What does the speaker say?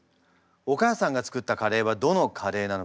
お母さんが作ったカレーはどのカレーなのか。